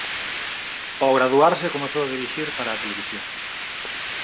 Ao graduarse comezou a dirixir para a televisión.